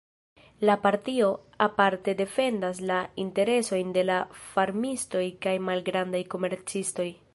La partio aparte defendas la interesojn de la farmistoj kaj malgrandaj komercistoj.